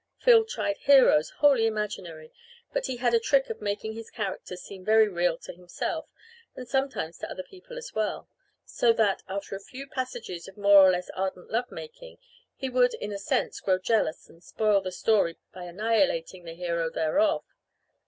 Phil tried heroes wholly imaginary, but he had a trick of making his characters seem very real to himself and sometimes to other people as well. So that, after a few passages of more or less ardent love making, he would in a sense grow jealous and spoil the story by annihilating the hero thereof.